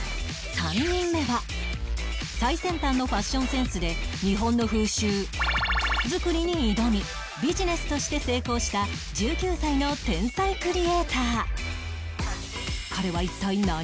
３人目は最先端のファッションセンスで日本の風習作りに挑みビジネスとして成功した１９歳の天才クリエイター